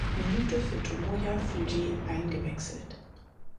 Minute für Tomoya Fujii eingewechselt.